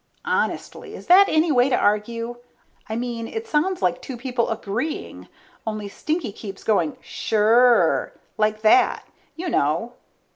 Honestly, is that any way to argue? I mean it sounds like two people agreeing, only Stinky keeps going suuure, like that, you know?